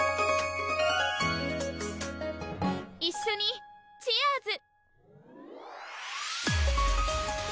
一緒にチアーズ！